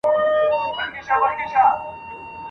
نه یې پښې لامبو ته جوړي نه لاسونه `